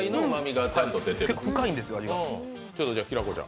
結構味が深いんですよ。